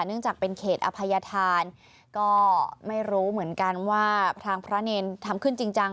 เนื่องจากเป็นเขตอภัยธานก็ไม่รู้เหมือนกันว่าทางพระเนรทำขึ้นจริงจัง